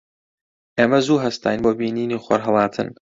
ئێمە زوو هەستاین بۆ بینینی خۆرهەڵاتن.